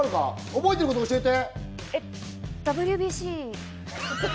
覚えてること教えて。